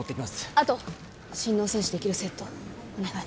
あと心嚢穿刺できるセットお願い。